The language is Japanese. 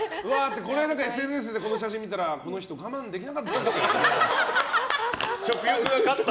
ＳＮＳでこの写真を見たらこの人我慢できなかったんだろうなって。